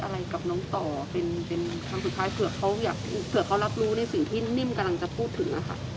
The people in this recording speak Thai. แล้วตอนนี้นิ่มอยากจะพูดอะไร